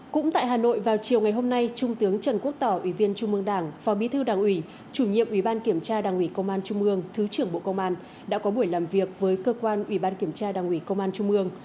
cũng tại hà nội vào chiều ngày hôm nay trung tướng trần quốc tỏ ủy viên trung mương đảng phó bí thư đảng ủy chủ nhiệm ủy ban kiểm tra đảng ủy công an trung mương thứ trưởng bộ công an đã có buổi làm việc với cơ quan ủy ban kiểm tra đảng ủy công an trung ương